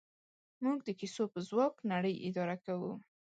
موږ د کیسو په ځواک نړۍ اداره کوو.